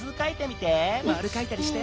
まるかいたりして。